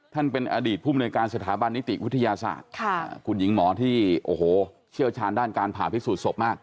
ท่านเป็นอดีตภูมิในการสถาบันนิติวิทยาศาสตร์คุณหญิงหมอที่โอ้โหเชี่ยวชาญด้านการผ่าพิสูจนศพมาก